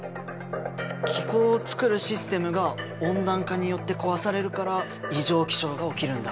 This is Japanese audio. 気候をつくるシステムが温暖化によって壊されるから異常気象が起きるんだ。